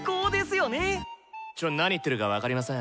ちょっと何言ってるか分かりません。